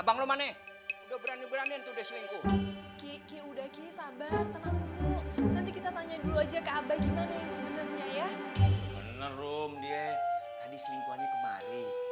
bener rum dia tadi selingkuhannya kemari